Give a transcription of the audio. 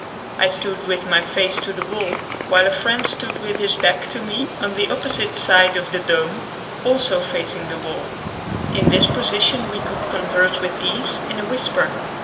I stood with my face to the wall while a friend stood with his back to me on the opposite side of the dome, also facing the wall. In this position we could converse with ease in a whisper.